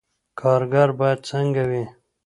کارګر باید څنګه وي؟